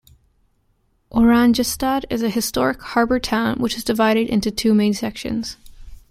Oranjestad is a historic harbour town which is divided into two main sections.